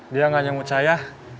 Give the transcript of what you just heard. dia gak nyengut saya